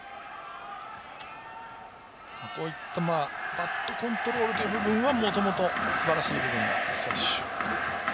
バットコントロールという部分はもともとすばらしい部分があった選手。